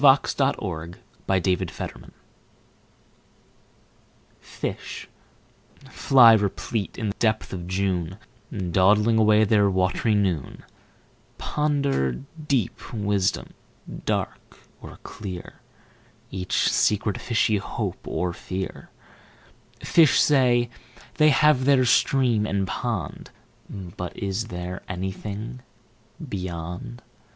PR 6003 R4N5 Robarts Library 1Fish (fly replete, in depth of June,2Dawdling away their wat'ry noon)3Ponder deep wisdom, dark or clear,4Each secret fishy hope or fear.5Fish say, they have their Stream and Pond;6But is there anything Beyond?